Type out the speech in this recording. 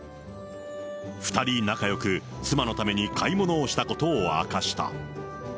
２人仲よく、妻のために買い物をしたことを明かした。